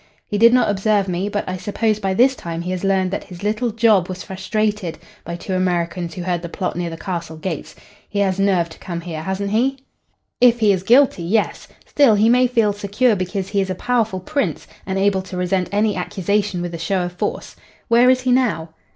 He did not observe me, but I suppose by this time he has learned that his little job was frustrated by two Americans who heard the plot near the castle gates. He has nerve to come here, hasn't he?" "If he is guilty, yes. Still, he may feel secure because he is a powerful prince and able to resent any accusation with a show of force. Where is he now?"